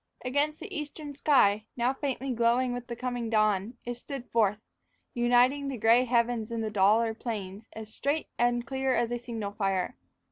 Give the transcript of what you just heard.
Against the eastern sky, now faintly glowing with the coming dawn, it stood forth, uniting the gray heavens and the duller plains, as straight and clear as a signal fire.